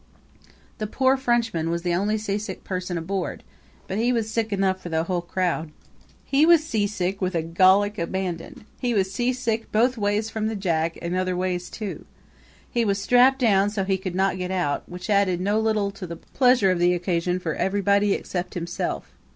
The poor Frenchman was the only seasick person aboard but he was sick enough for the whole crowd. He was seasick with a Gallic abandon; he was seasick both ways from the jack, and other ways too. He was strapped down so he could not get out, which added no little to the pleasure of the occasion for everybody except himself.